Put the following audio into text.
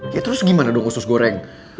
ya terus gimana dong khusus goreng